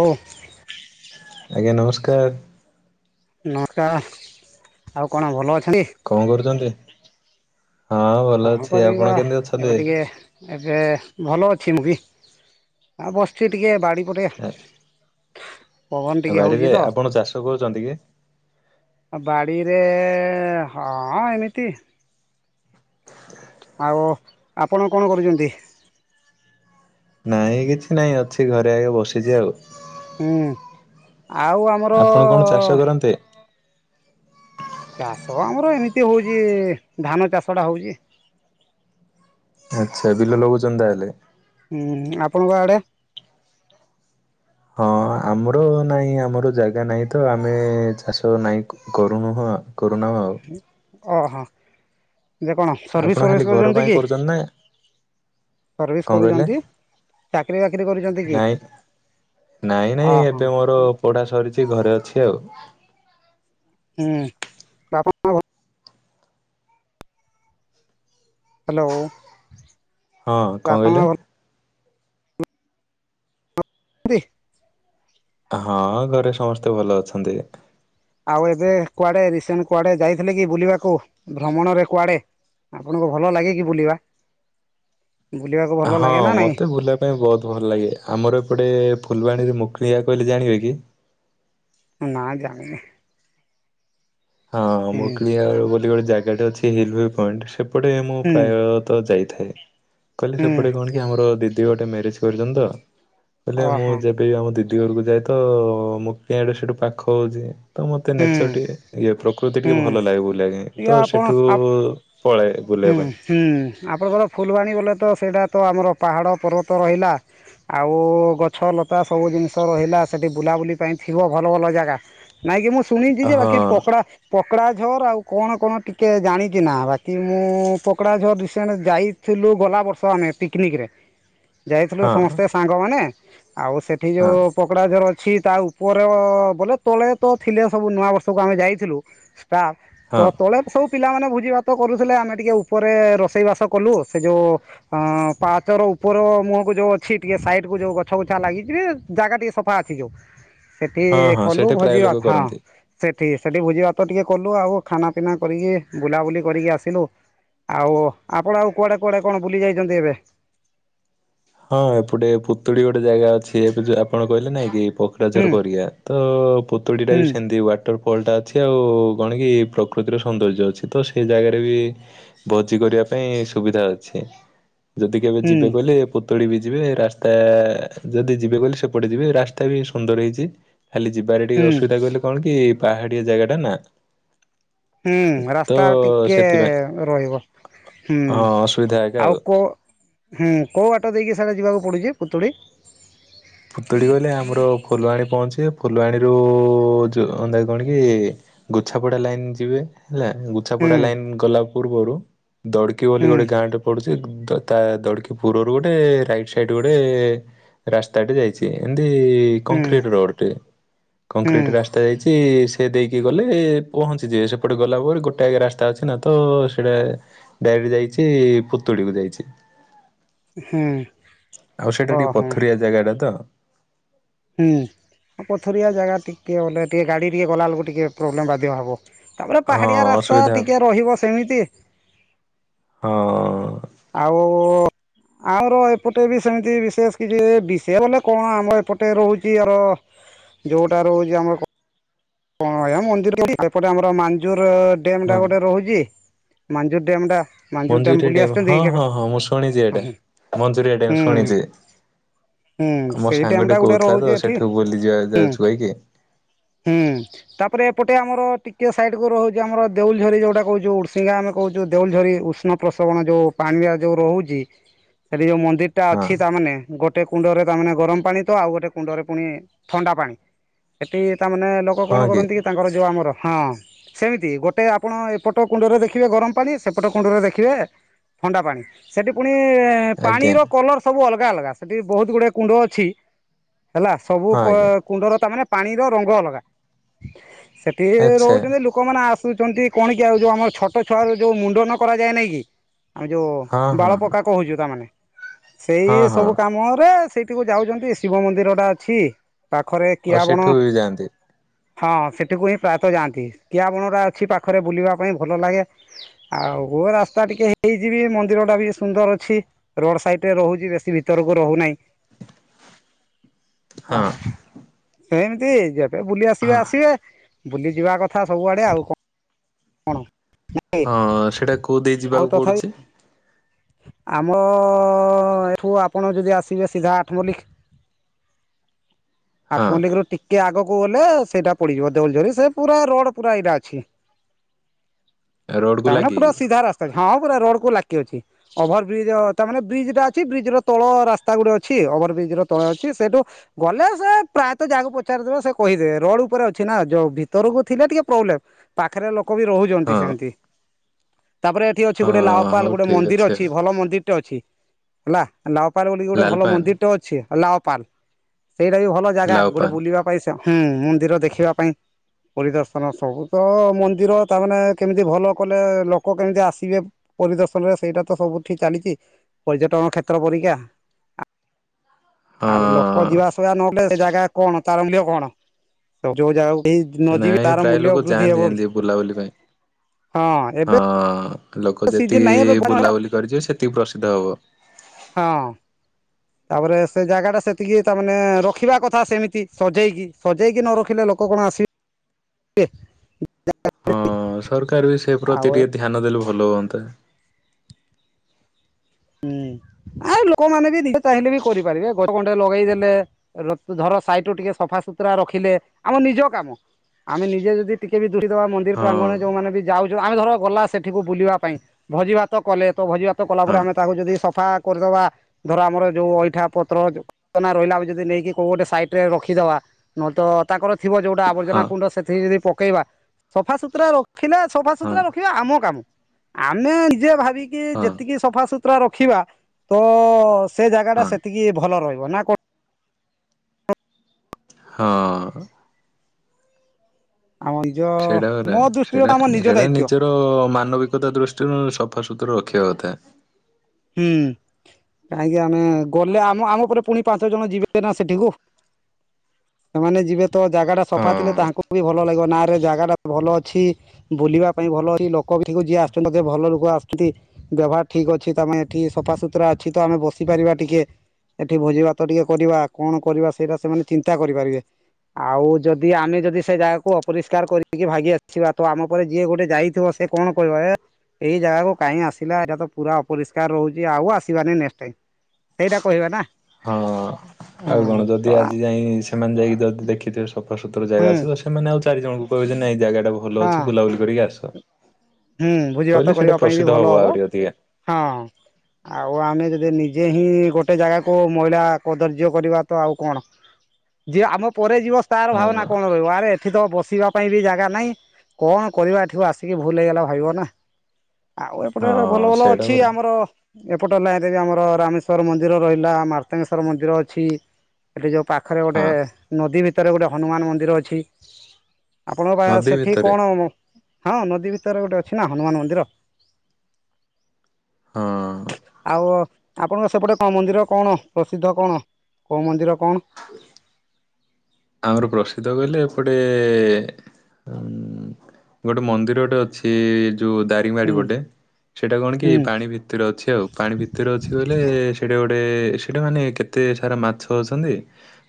ଆଉ ଆଜ୍ଞା ନମସ୍କାର। ନମସ୍କାର ଆଉ କଣ ଭଲ ଅଛନ୍ତି? କଣ କରୁଛନ୍ତି ହଁ ଭଲ କଣ ଅଛି କରିବା ଆପଣ କେମିତି ଏବେ ଅଛନ୍ତି? ଟିକେ ଏବେ ଭଲ ଅଛି ମୁଁ ବିି ଆଉ ବସିଛି ଟିକେ ବାଡ଼ି ପଟେ ପବନ ଟିକେ ହଉଛି ବାଡିରେ ତ ଆପଣ ଚାଷ କରୁଛନ୍ତି କି? ବାଡ଼ିରେ ହଁ ଏମିତି ଆଉ ଆପଣ କଣ କରୁଛନ୍ତି? ନାଇଁ କିଛି ନାଇଁ ଅଛି ଘରେ ଆଗେ ବସିଛି ଆଉ ହୁଁ ଆଉ ଆମର ଆପଣ କଣ ଚାଷ କରନ୍ତି? ଚାଷ ଆମର ଏମିତି ହଉଛି ଧାନ ଚାଷଟା ହଉଛି। ଆଚ୍ଛା ବିଲ ଲଗଉଛନ୍ତି ତାହେଲେ ହୁଁ ଆପଣଙ୍କ ଆଡେ ହଁ। ଆମର ନାହିଁ ଆମର ଜାଗା ନାହିଁ ତ ଆମେ ଚାଷ ନାହିଁ କରୁନୁହଁ କରୁନାହୁଁ ଆଉ ଓହୋ ଯେ କଣ ସର୍ଭିସ୍ ଆପଣ ଖାଲି ସର୍ଭିସ୍ ଘର କରିଛନ୍ତି ପାଇଁ କି? କରୁଛନ୍ତି ନା ସର୍ଭିସ୍ କଣ କହିଲେ? କରୁଛନ୍ତି ଚାକିରୀ ବାକିରି କରୁଛନ୍ତି କି? ନାଇଁ ନାଇଁ ନାଇଁ ଓହୋ ଏବେ ମୋର ପଢା ସରିଛି ଘରେ ଅଛି ଆଉ ହୁଁ। [inaudible] ହାଲୋ। ହଁ କଣ କହିଲେ? [inaudible] ହଁ ଘରେ ସମସ୍ତେ ଭଲ ଅଛନ୍ତି। ଆଉ ଏବେ କୁଆଡେ ରିସେଣ୍ଟ କୁଆଡେ ଯାଇଥିଲେ କି ବୁଲିବାକୁ ଭ୍ରମଣରେ କୁଆଡେ? ଆପଣଙ୍କୁ ଭଲ ଲାଗେ କି ବୁଲିବା? ବୁଲିବାକୁ ଭଲ ହଁ ଲାଗେ ନା ନାଇଁ? ମତେ ବୁଲା ପାଇଁ ବହୁତ ଭଲ ଲାଗେ ଆମର ଏପଟେ ଫୁଲବାଣୀରେ ମୁକୁଳିିକା କହିଲେ ଜାଣିବେ କି? ନାଁ ଜାଣିନି। ହଁ ହୁଁ ମକୁଳିଆ ବୋଲି ଗୋଟେ ଜାଗା ଟା ଅଛି ହ ଭ ପଏଣ୍ଟ ସେ ସେପଟେ ମୁଁ ହୁଁ ପ୍ରାୟତଃ ଯାଇଥାଏ କହିଲେ ହୁଁ ସେପଟେ କଣ ଆମର ଦିଦି ଗୋଟେ ମ୍ୟାରେଜ କରିଛନ୍ତି ତ ବଲେ ଓହୋ ମୁଁ ଯେ ଏବେ ଆମ ଦିଦି ଘରକୁ ଯାଏ ତ ମୁ ପଆଡେ ସେଇଠୁ ପାଖ ହଉଛି ତ ମତେ ହୁଁ ନେଚର ଟିକେ ଇଏ ପ୍ରକୃତି ଟିକେ ହୁଁ ଭଲ ଲାଗେ ବୁଲିବା ପାଇଁ ଇଏ ତ ସେଠୁକୁ ପଳାଳେ ବୁଲିବା ପାଇଁ। ହୁ ଆପଣଙ୍କର ଫୁଲବାଣୀ ବୋଲେ ତ ସେଇଟା ତ ଆମର ପାହାଡ଼ ପର୍ବତ ରହିଲା। ଆଉ ଗଛ ଲତା ସବୁ ଜିନିଷ ରହିଲା ସେଠି ବୁଲାବୁଲି ପାଇଁ ଥିବ ଭଲ ଭଲ ଜାଗା। ନାଇଁ କି ମୁଁ ଶୁଣିଛି ଯେ ହଁ ବାକି ପକଡା ପକଡ଼ା ଝର ଆଉ କଣ କଣ ଟିକିଏ ଜାଣିଛି ନା ବାକି ମୁଁ ପକଡ଼ା ଝର ରିସେଣ୍ଟ ଯାଇ ଥିଲୁ ଗଲା ବର୍ଷ ଆମେ ପିକନିକରେ। ଯାଇଥିଲୁ ହଁ ସମସ୍ତେ ସାଙ୍ଗମାନେ ଆଉ ସେଠି ହଁ ଯୋଉ ପକଡ଼ା ଝର ଅଛି ତା ଉପରେ ବୋଲେ ତଳେ ତ ଥିଲେ ସବୁ ନୂଆ ବର୍ଷକୁ ଆମେ ଯାଇଥିଲୁ ତା ତ ହଁ ତଳେ ସବୁ ପିଲାମାନେ ଭୋଜି ଭାତ କରୁଥିଲେ ଆମେ ଟିକେ ଉପରେ ରୋଷେଇବାସ କଲୁ ସେ ଯେଉଁ ଅଁ ପାଚ ର ଉପର ମୁହଁକୁ ଯୋଉ ଅଛି ଟିକେ ସାଇଡ କୁ ଯୋଉ ଗଛ ଗୁଛା ଲାଗିଛିିବେ ଜାଗା ଟିକେ ସ ଅଛି ଯୋଉ ସେଠି ହଁ ହଁ କଲୁ ସେଇଠି ପ୍ରାୟ ଭଜିବାକୁ ଲୋକ କରନ୍ତି। ସେଠି ସେଠି ଭୋଜି ଭାତ ଟିକେ କଲୁ ଆଉ ଖାନା ପିନା କରିକି ବୁଲାବୁଲି କରିକି ଆସିଲୁ। ଆଉ ଆପଣ ଆଉ କୁଆଡେ କୁଆଡେ କଣ ବୁଲି ଯାଇଛନ୍ତି ଏବେ? ହଁ ଏପଟେ ପୁତୁଳି ଗୋଟେ ଜାଗା ଅଛି ଏବେ ଆପଣ କହିଲେ ନାଇଁ କି ହୁଁ [unintelligible] କରିବା ତ ପୋତୁ ଟା ହୁଁ ବି ସେମିତି ୱାଟରଫଲଟା ଅଛି ଆଉ କଣ କି ପ୍ରକୃତିର ସୌନ୍ଦର୍ଯ୍ୟ ଅଛି ତ ସେଇ ଜାଗାରେ ବି ଭୋଜି କରିବା ପାଇଁ ସୁବିଧା ଅଛି ଯଦି କେବେ ହୁଁ। ଯିବେ କହିଲେ ପୋତଳି ବି ଯିବେ ରାସ୍ତା ଯଦି ଯିବେ କହିଲ ସେପଟେ ଯିବେ ରାସ୍ତା ବି ସୁନ୍ଦର ହେଇଛି। ଖାଲି ଯିବାରେ ଟିକେ ହୁଁ ଅସୁବିଧା କହିଲେ କଣ କି ପାହାଡ଼ିଆ ଜାଗାଟା ନା। ହୁଁ ତ ରାସ୍ତା ଟିକେ ସେଥିପାଇଁ ରହିବ। ହୁଁ ହଁ ଅସୁବିଧା ଏକା ଆଉ କୋଉଁ ହୁଁ କୋଉଁ ବାଟ ଦେଇକି ସାଢେ ଯିବାକୁ ପଡ଼ୁଛି ପୁତୁଡି ପୁତୁଡ଼ି କହିଲେ ଆମର ଫୁଲବାଣୀ ପହଞ୍ଚିବେ ଫୁଲବାଣୀ ଅନ୍ଧା କଣ କି ଗୁଛାପଡା ଲାଇନ ଯିବେ ହେଲା ହୁଁ ପଛାପଟା ଲାଇନ୍ ଗଲା ପୂର୍ବରୁ ଦଡ଼କି ବୋଲି ହୁଁ ଗୋଟେ ଗାଁ ଟେ ପଡ଼ୁଛି ତା ଦଡ଼ିକି ପୁରରୁ ଗୋଟେ ରାଇଟ୍ ସାଇଡ଼୍ ଗୋଟେ ରାସ୍ତାଟେ ଯାଇଛି ଏମିତି ହୁଁ କଂକ୍ରିଟ ରୋଡଟେ। ହୁଁ କଂକ୍ରିଟ ରାସ୍ତା ରାସ୍ତା ଯାଇଛି ସେ ଦେଇକି ଗଲେ ପହଞ୍ଚିଯିବେ ସେପଟେ ଗଲା ପରେ ଗୋଟେ ଆଗା ରାସ୍ତା ଅଛି ନା ତ ସେଇଟା ଡାଇରେକ୍ଟ ଯାଇଛି ପୁତୁଳିକୁ ଯାଇଛି। ହୁଁ ଆଉ ସେଇଟା ଟିକେ ହ ହୋ। ପଥୁରିଆ ଜାଗାଟା ତ ହୁଁ ପଥୁରିଆ ଜାଗା ଟିକିଏ ବଲେ ଟିକେ ଗାଡ଼ି ଟିକିଏ ଗଲାବେଳକୁ ଟିକେ ପ୍ରୋବ୍ଲେମ୍ ବାଧ୍ୟ ହେବ। ତାପରେ ହଁ ପାହାଡିଆ ରାସ୍ତା ଅସୁବିଧା ଟିକେ ରହିବ ସେମିତି ହଁ। ଆଉ ଆମର ଏପଟେ ବି ସେମିତି ବିଶେଷ କିଛି ବିଷୟ ବୋଲେ କଣ ଆମର ଏପଟେ ରହୁଛି ଆର ଯୋଉଟା ରହୁଛି ଆମର କ ଭ ମନ୍ଦିର [unintelligible] ଏପଟେ ଆମର ମାଞ୍ଜୁର ଡ୍ୟାମ ଟା ହଁ ଗୋଟେ ରହୁଛି। ମଞ୍ଜୁର ଡ୍ୟାମ ଟା ମାଞ୍ଜୁ ଡ୍ୟାମ୍ ମଞ୍ଜୁରିଆ ବୁଲି ଡ୍ୟାମ ଆସିଛନ୍ତି ହଁ କି କେବେ? ହଁ ହଁ ମୁଁ ଶୁଣିଚି ହୁଁ ଏଇଟା ମଞ୍ଜୁରିଆ ଡ୍ୟାମ ଶୁଣିଚି। ହୁଁ ମୋର ସେଇ ଡ୍ୟାମ୍ ସାଙ୍ଗଟେ ଟା ଗୋଟେ କହୁଥିଲା ରହୁଛି ତ ଏଠି ସେଠିକୁ ବୁଲିଯିବା ଯାଉଚୁ କହିକି। ହୁ ଉଁ ତାପରେ ଏପଟେ ଆମର ଟିକିଏ ସାଇଟକୁ ରହୁଚି ଆମର ଦେଉଲଝରି ଯୋଉଟା କହୁଚୁ ଉଡ଼ସିଙ୍ଗା ଆମେ କହୁଚୁ ଦେଉଲଝରି ଷ୍ଣ ପ୍ରସବଣ ଯୋଉ ପାଣିଟା ଯୋଉ ରହୁଚି ସେଠି ଯୋଉ ମନ୍ଦିରଟା ହଁ ଅଛି ତାମାନେ ଗୋଟେ କୁଣ୍ଡରେ ତା ମାନେ ଗରମ ପାଣି ତ ଆଉ ଗୋଟେ କୁଣ୍ଡରେ ପୁଣି ଥଣ୍ଡା ପାଣି। ଏଠି ତା ମାନେ ଲୋକ କଣ କରନ୍ତି କି ତାଙ୍କର ଯୋଉ ଆମର ହଁ ସେମତି ଗୋଟେ ଆପଣ ଏପଟ କୁଣ୍ଡରେ ଦେଖିବେ ଗରମ ପାଣି ସେପଟ କୁଣ୍ଡରେ ଦେଖିବେ ଥଣ୍ଡା ପାଣି ସେଟି ଫୁଣି ଆଜ୍ଞା ପାଣିର କଲର ସବୁ ଅଲଗା ଅଲଗା ସେଠି ବହୁତ ଗୁଡାଏ କୁଣ୍ଡ ଅଛି ହେଲା ସବୁ ହଁ କ ଆଜ୍ଞା କୁଣ୍ଡର ତା ମାନେ ପାଣିର ରଙ୍ଗ ଅଲଗା ସେଠି ଆଚ୍ଛା ରହୁଚନ୍ତି ଲୁ ଲୋକମାନେ ଆସୁଛନ୍ତି କଣ କି ଆଉ ଯୋଉ ଆମର ଛୋଟ ଛୁଆର ଯୋଉ ମୁଣ୍ଡନ କରାଯାଏନି କି ଆମେ ଯୋଉ ହଁ ହଁ ବାଳ ହଁ। ପକା କହୁଚୁ ତା ମାନେ ହଁ ହଁ ସେଇସବୁ କାମରେ ସେଇଠିକୁ ଯାଉଚନ୍ତି ଶିବ ମନ୍ଦିରଟା ଅଛି ପାଖରେ କିଆବଣ କି ଯାଆନ୍ତି। ହଁ ସେଠିକୁ ହିଁ ପ୍ରାୟତଃ ଯାଆନ୍ତି କିଆ ବଣଟା ଅଛି ପାଖରେ ବୁଲିବା ପାଇଁ ଭଲ ଲାଗେ। ଆଉ ରାସ୍ତା ଟିକେ ହେଇଯିବି ମନ୍ଦିରଟା ବି ସୁନ୍ଦର ଅଛି ରୋଡ ସାଇଟରେ ରହୁଚି ବେଶୀ ଭିତରକୁ ରହୁନାହିଁ। ଆ ହଁ ସେମତି ଯେବେ ବୁଲି ଆସିବେ ହଁ। ଆସିବେ ବୁଲିଯିବା କଥା ସବୁଆଡେ ଆଉ କ ହଁ ସେଇଟା କୋଉ ଦେଇ ଆଉ ଯିବାକୁ ତଥାପି ପଡୁଛି? ଆମ ଅ -ଏଠୁ ଆପଣ ଯଦି ଆସିବେ ସିଧା ଆଠ ମଲ୍ଲିକ [inaudible] ହଁ ଆଠମଲ୍ଲିକରୁ ଟିକେ ଆଗକୁ ଗଲେ ସେଇଟା ପଡିଯିବ ଦେଉଲଝରି ସେ ପୁରା ରୋଡ ପୁରା ଏଇଟା ଅଛି। ରୋଡକୁ ତାମାନେ ପୁରା ଲାଗିକି ସିଧା ରାସ୍ତାକୁ ହଁ ପୁରା ରୋଡ କୁ ଲାଗିକି ଅଛି। ଓଭର ବ୍ରିଜ୍ଅ ତା ମାନେ ବ୍ରିଜଟା ଅଛି ବ୍ରିଜର ତଳ ରାସ୍ତା ଗୋଟେ ଅଛି ଓଭରବ୍ରିଜର ତଳେ ଅଛି ସେଇଠୁ ଗଲେ ସେ ପ୍ରାୟତଃ ଯାହାକୁ ପଚାରିଦେବେ ସେ କହିଦେବେ ରୋଡ ଉପରେ ଅଛି ନା ଯୋଉ ଭିତରକୁ ଥିଲେ ଟିକେ ପ୍ରୋବ୍ଲେମ। ପାଖେରେ ଲୋ କ ବି ରହୁଛନ୍ତି ହଁ। ସେମିତି ତାପରେ ଏଠି ଅଛି ଗୋଟେ ହଁ ଲାଓପାଲ ହଉ ଗୋଟେ ଠିକ୍ ମନ୍ଦିର ଅଛି ଆଉ ଭଲ ମନ୍ଦିର୍ ଟେ ଅଛି ହେଲା ଲାଓପାଲ ବୋଲିକି ଗୋଟେ ଭଲ ଲାଲପାନ୍ ମନ୍ଦିରଟେ ଅଛି ଲାଓପାଲ୍। ସେଇଟା ବି ଭଲ ଜାଗା ଗୋଟେ ଲାଉପାନ୍ ବୁଲିବା ପାଇଁ। ହୁଁ ମନ୍ଦିର ଦେଖିବା ପାଇଁ ପରିଦର୍ଶନ ସବୁ ତ ମନ୍ଦିର ତା ମାନେେ କେମିତି ଭଲ କଲେ ଲୋକ କେମିତି ଆସିବେ ପରିଦର୍ଶନରେ ସେଇଟା ତ ସବୁଠି ଚାଲିଚି। ପର୍ଯ୍ୟଟନ କ୍ଷେତ୍ର ପରିକା ଆ ଆଉ ଲୋକ ହଁ। ଯିବା ଆସିବା ନହେଲେ ସେ ଜାଗା କଣ ତାର ମୂଲ୍ୟ କଣ ଯୋଉ ଜାଗାକୁ କେହି ନ ଯିବେ ନାଇଁ ତାର ପ୍ରାୟ ମୂଲ୍ୟ ଲୋକ ବୃଦ୍ଧି ଯାଆନ୍ତି ହେବ କି। ଏମିତି ବୁଲାବୁଲି ପାଇଁ ହଁ ଏବେ ହଁ ଲୋକ ସିଜିନ ନାହିଁ ଏବେ ଯେତିକି ବନ ବୁଲାବୁଲି କରିଯିବେ ସେତିକି ପ୍ରସିଦ୍ଧ ହବ। ହଁ ତାପରେ ସେ ଜାଗାଟା ସେତିକି ତା ମାନେ ରଖିବା କଥା ସେମିତି ସଜେଇକି ସଜେଇକି ନ ରଖିଲେ ଲୋ କ କଣ ଆସି--ବେ ହଁ ସରକାର ବି ସେପ୍ରତି ଆଉ ଟିକେ ଧ୍ୟାନ ଦେଲେ ଭଲ ହୁଅନ୍ତା। ହୁଁ ଆଉ ଲୋକମାନେ ବି ନିଜେ ଚାହିଁଲେ ବି କରିପାରିବେ ଗଡ ଖଣ୍ଡେ ଲଗେଇଦେଲେ ର ଧର ସାଇଟରୁ ଟିକେ ସଫାସୁତୁରା ରଖିଲେ ଆମ ନିଜ କାମ ଆମେ ନିଜେ ଯଦି ଟିକେ ବି ଦୃଷ୍ଟି ଦବା ମ ନ୍ଦିର ହଁ ପ୍ରାଙ୍ଗଣରେ ଯୋଉମାନେ ବି ଯାଉଚୁ ଆମେ ଧର ଗଲା ସେଠିକୁ ବୁଲିବା ପାଇଁ ଭୋଜି ଭାତ କଲେ ତ ଭୋଜି ଭା ତ କଲାପରେ ହଁ ଆମେ ତାହାକୁ ଯଦି ସଫା କରିଦବା ଧର ଆମର ଯୋଉ ଅଇଠା ପତ୍ର ତନ ରହିଲା ଯଦି ନେଇକି କୋଉ ଗୋଟେ ସାଇଟରେ ରଖିଦବା ନହେଲେ ତ ତାଙ୍କର ଥିବ ଯୋଉଟା ହଁ ଆବର୍ଜନା କୁଣ୍ଡ ସେଥିରେ ବି ଯଦି ପକେଇବା ସଫାସୁତୁରା ରଖିଲେ ହଁ ସଫାସୁତୁରା ରଖିବେ ଆମ କାମ ଆମେ ନିଜେ ଭାବିକି ହଁ ଯେତିକି ସଫାଶୁତ ତୁରା ରଖିବା ତ ସେ ଜାଗା ହଁ ଟା ସେତିକି ଭଲ ରହିବ ନା କ ହଁ, ହଁ। ଆମ ନିଜ ମୋ ଦୃଷ୍ଟିରୁ ତ ଆମ ନିଜ ଦାୟିତ୍ଵ। ତ ମାନବିକତା ଦୃଷ୍ଟିରୁ [inaudible] ସଫାସତୁର ରଖିବା କଥା। ହୁଁ। କାହିଁକି ଆମେ ଗଲେ ଆମ ଆମ ପରେ ପୁଣି ପାଞ୍ଚ ଜଣ ଯିବେ ନା ସେଠିକୁ। ସେମାନେ ଯିବେ ତ ଜାଗା ଟା ହଁ ସଫା ଥିଲେ ତାଙ୍କୁ ବି ଭଲ ଲାଗିବ। ନା ରେ ଜାଗା ଟା ଭଲ ଅଛି, ବୁଲିବା ପାଇଁ ଭଲ ଅଛି, ଲୋକ ବି ଏଠିକୁ ଯିଏ ଆସୁଛନ୍ତି ବୋଧେ ଭଲ ଲୋକ ଆସୁଛନ୍ତି। ବ୍ୟବହାର ଠିକ ଅଛି, ତା ମାନେ ଏଠି ସଫାସୁତୁରା ଅଛି ତ ଆମେ ବସିପାରିବା ଟିକେ। ଏଠି ଭୋଜି ଭାତ ଟିକେ କରିବା, କଣ କରିବା ସେଇଟା ସେମାନେ ଚିନ୍ତା କରିପାରିବେ। ଆଉ ଯଦି ଆମେ ଯଦି ସେ ଜାଗାକୁ ଅପରିଷ୍କାର କରିକି ଭାଗି ଆସିବା। ତ ଆମ ପରେ ଯିଏ ଗୋଟେ ଯାଇଥିବ ସେ କଣ କହିବ, ଏ ଏଇ ଜାଗାକୁ କାଇଁ ଆସିଲା ଏଟା ତ ପୁରା ଅ ପରିଷ୍କାର ରହୁଚି, ଆଉ ଆସିବାନି ନେକ୍ସଟ୍ ଟାଇମ୍ ସେଇଟା କହିବେ ନା। ହଁ ଆଉ ହୁଁ କଣ ତ ଯଦି ଆଜି ଯାଇ ସେମାନେ ଯାଇକି ଯଦି ଦେଖିଥିବେ ସଫାସତୁର ହୁଁ ଜାଗା ଅଛି ତ ସେ ସେମାନେ ଆଉ ଚାରି ଜଣଙ୍କୁ କହିବେ ଯେ ନାଇଁ ଜାଗା ଟା ଭଲ ହଁ ଅଛି ବୁଲାବୁଲି କରିକି ଆସ। ହୁଁ, ଭୁଜି କହିଲେ ଭାତ ସେଇଟା କରିବା ପାଇଁ ବି ପ୍ରସିଦ୍ଧ ଭଲ ହବ, ଆହୁରି ଅଧିକା ହଁ। ଆଉ ଆମେ ଯଦି ନିଜେ ହିଁ ଗୋଟେ ଜାଗାକୁ ମଇଳା କର୍ଦଯ୍ୟ କରିବା ତ ଆଉ କଣ। ଯିଏ ଆମ ପରେ ଯିବ ତାର ଭାବନା ହଁ। କଣ ରହିବ? ଆରେ ଏଠି ତ ବସିବା ପାଇଁ ବି ଜାଗା ନାଇ, କଣ କରିବା ଏଠିକୁ ଆସିକି? ଭୁଲ ହେଇଗଲା ଭାବିବ ନା। ଆଉ ଏପଟେ ହଁ ଭଲ ଭଲ ସେଇଟା ଅଛି ପରା ଆମର। ଏପଟ ଲାଇନ୍ ରେ ବି ଆମର ରାମେଶ୍ୱର ମନ୍ଦିର ରହିଲା। ମାର୍ତ୍ତଙ୍ଗେଶ୍ଵର ମନ୍ଦିର ଅଛି। ସେଠି ଯୋଉ ପାଖରେ ହଁ ଗୋଟେ ନଦୀ ଭିତରେ ଗୋଟେ ହନୁମାନ ମନ୍ଦିର ଅଛି। ଆପଣଙ୍କ ନଦୀ ପା-ସେଠି ଭିତରେ କଣ ହଁ ନଦୀ ଭିତରେ ଗୋଟେ ଅ ଛି ନା ହନୁମାନ ମନ୍ଦିର। ହଁ ଆଉ ଆପଣଙ୍କ ସେପଟେ କଣ ମନ୍ଦିର, କଣ ପ୍ରସିଦ୍ଧ କଣ କୋଉ ମନ୍ଦିର କଣ? ହୁ ଆମର ପ୍ରସିଦ୍ଧ କହିଲେ ଏପଟେ ଉଁ, ଗୋଟେ ମନ୍ଦିର ଟେ ଅଛି ଯୋଉ ଦାରିଙ୍ଗବାଡ଼ି ହୁଁ ପଟେ ସେଟା କଣ କି ହୁଁ ପାଣି ଭିତରେ ଅଛି ଆଉ। ପାଣି ଭିତରେ ଅଛି ବୋଇଲେ ସେଇଟା ଗୋଟେ ସେଇଟା ମାନେ କେତେ ସାରା ମାଛ ଅଛନ୍ତି।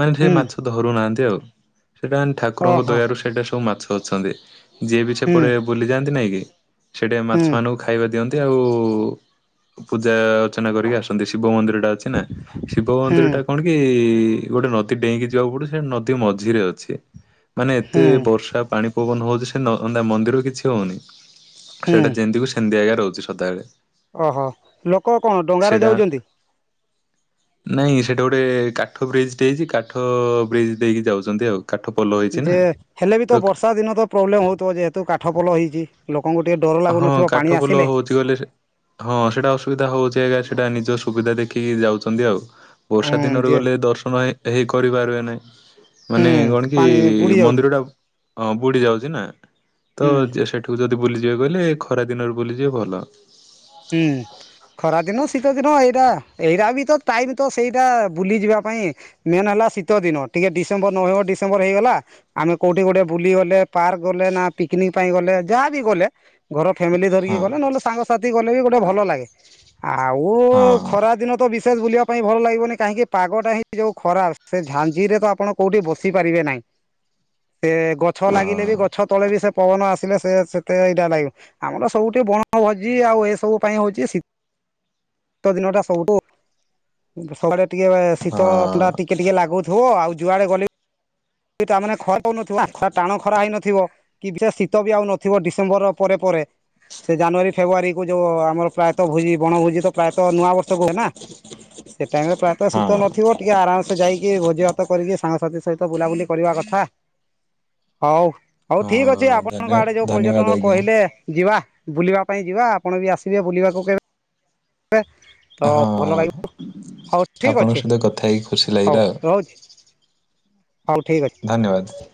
ମାନେ ସେ ହୁଁ ମାଛ ଧରୁ ନାହାନ୍ତି ଆଉ। ସେଟା ମାନ ଠାକୁରଙ୍କ ଓହୋ ଦୟାରୁ ସେଇଟା ସବୁ ମାଛ ଅଛନ୍ତି। ଯିଏ ବି ହୁଁ ସେପଟେ ବୁଲିଯାଆନ୍ତି ନାଇଁ କି ସେଇଟି ହୁଁ ମାଛମାନଙ୍କୁ ଖାଇବା ଦିଅନ୍ତି, ଆଉ ପୂଜା ଅର୍ଚ୍ଚନା କରିକି ଆସନ୍ତି, ଶିବ ମନ୍ଦିର ଟା ଅଛି। ଛି ନା ଶିବ ହୁଁ ମନ୍ଦିର ଟା କଣ କି ଗୋଟେ ନଦୀ ଡେଇଁକି ଯିବାକୁ ପଡୁ। ସେ ନଦ ଦୀ ମଝିରେ ଅଛି। ମାନେ ଏତେ ହୁଁ ବର୍ଷା ପାଣି ପବନ ହଉଚି ସେ ନ- ନା ମନ୍ଦିରକୁ କିଛି ହଉନି। ହୁଁ ସେଇଟା ଯେମିତି କୋ ସେମିତି ଆଜ୍ଞା ରହୁଛି ସଦାବେଳେ। ଓହୋ! ଲୋକ କଣ ଡଙ୍ଗାରେ ସେଇଟା ଯାଉଚନ୍ତି? ନାଇଁ ସେଠି ଗୋଟେ କାଠ ବ୍ରିଜ୍ ଟେ ଦେଇଛି। କାଠ ବ୍ରିଜ୍ ଦେଇକି ଯାଉଚନ୍ତି ଆଉ। କଠ ପୋଲ ଦେ ଯେ ହେଲେ ବି ତ ବର୍ଷା ଦିନ ତ ପ୍ରୋବ୍ଲେମ୍ ହଉଥୁବ ଯେହେତୁ କାଠ ପୋଲ ହେଇଛି? ଲୋକଙ୍କୁ ଟିକେ ଡର ଲାଗୁନଥିବ ପାଣି ଆସିଲେ? ଚୁଲି ସେ ହଁ ସେଟା ଅସୁବିଧା ହଉଛି ଆଜ୍ଞା ସେଟା ନିଜ ସୁବିଧା ଦେଖିକି ଯାଉଛନ୍ତି ଆଉ। ବର୍ଷା ହଁ ଦିନରୁ ଯେ ଗଲେ ଦର୍ଶନ ହେ ହେଇ କରିପାରିବେ ନାହିଁ। ହୁଁ ମାନେ କଣ କି ପାଣି ବୁଡି ଯାଉଛି ମନ୍ଦିର ଟା ଅଁ, ବୁଡ଼ି ଯାଉଛି ନା, ତ ହୁଁ ଯେ ସେଠିକୁ ଯଦି ବୁଲି ଯିବାକୁ ହେଲେ ଖରା ଦିନରୁ ବୁଲି ଯିବେ ଭଲ। ହୁଁ। ଖରାଦିନ ଶୀତ ଦିନ ଏଇଟା, ଏଇଟା ବି ତ ଟାଇମ୍ ତ ସେଇଟା ବୁଲିଯିବା ପାଇଁ। ମେନ୍ ହେଲା ଶୀତ ଦିନ, ଟିକେ ଡିସେମ୍ବର ନଭେମ୍ବର ଡିସେମ୍ବର ହେଇଗଲା। ଆମେ କୋଉଠି ଗୋଟେ ବୁଲି ଗଲେ, ପାର୍କ ଗଲେ ନା ପିକନିକ ପାଇଁ ଗଲେ ଯାହାବି ଗଲେ। ଘର ଫ୍ୟାମିଲି ଧରିକି ହଁ ଗଲେ, ନହେଲେ ସାଙ୍ଗସାଥି ଗଲେ ବି ଗୋଟେ ଭଲ ଲାଗେ। ଆଉ ହଁ ଖରା ଦିନ ତ ବି ସେ ବୁଲିବା ପାଇଁ ଭଲ ଲାଗିବନି କାହିଁକି ପାଗଟା ହିଁ ଯଉ ଖରାପ ସେ ଝାଞଜିରେ ତ ଆପଣ କୋଉଠି ବସି ପାରିବେ ନାହିଁ। ସେ ଗଛ ହଁ ଲାଗିଲେ ବି ଗଛ ତଳେ ବି ସେ ପବନ ଆସିଲେ ସେ ସେତେ ଏଇଟା ଲାଗୁ ଆମର ସବୁଠି ବଣ ଭ ଜି ଆଉ ଏସବୁ ପାଇଁ ହଉଛି ଶୀ-ଶୀତ ଦିନଟା ସବୁଠୁ ସକାଳେ ଟିକେ ହଁ ଶୀତ ଟା ଟିକେ ଟିକେ ଲାଗୁଥିବ ଆଉ ଯୁଆଡେ ଗଲେ ତାନେ ମାନେ ଖରା ହଉନଥିବ ଟାଣ ଖରା ହେଇନଥିବ। କି ସେ ଶୀତ ବି ଆଉ ନଥିବ ଡିସେମ୍ବର ପରେ ସେ ଜାନୁଆରୀ ଫେବୃୟରୀ କ ଯୋଉ ଆମର ପ୍ରାୟଃ ଭୋଜି ବଣଭୋଜି ତ ପ୍ରାୟତଃ ନୂଆ ବର୍ଷ କୁ ହୁଏନା। ସେ ଟାଇମରେ ପ୍ରାୟତଃ ଶୀତ ହଁ। ନଥିବ ଟିକେ ଆରାମସେ ଯାଇକି ଭୋଜି ଭାତ କରିକି ସାଙ୍ଗସାଥି ସହିତ ବୁଲାବୁଲି କରିବା କଥା ହଉ। ହଉ ହଁ ଠିକ ଅଛି ଆପଣଙ୍କ ଧନ୍ୟ ଆଡେ ଯୋଉ ଧନ୍ୟବାଦ ପର୍ଯ୍ୟଟନ ଆଜ୍ଞା କହିଲେ ଯିବା। ବୁଲିବା ପାଇଁ ଯିବା ଆପଣ ବି ଆସିବେ ବୁଲିବାକୁ କେବେ ତ ହଁ ଭଲ ଲାଗିବ ହଉ ଠିକ୍ ଆପଣଙ୍କ ଅଛି ସହିତ କଥା ହେଇକି ଖୁସି ଲାଗିଲା ହଉ ଆଉ ରହୁଛି। ହଉ ଠିକ ଅଛି। ଧନ୍ୟବାଦ।